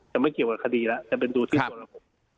จะไม่เกี่ยวกับคดีแล้วจะเป็นดูที่ส่วนระบบ